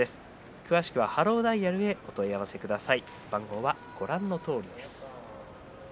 詳しくはハローダイヤルへお問い合わせください。